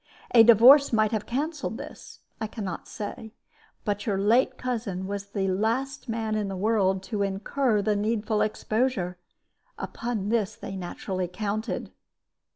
A divorce might have canceled this I can not say but your late cousin was the last man in the world to incur the needful exposure. Upon this they naturally counted.